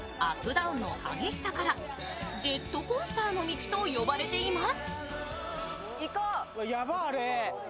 ダウンの激しさから、ジェットコースターの路と呼ばれています。